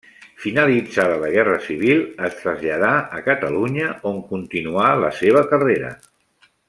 Finalitzada la guerra civil es traslladà a Catalunya on continuà la seva carrera.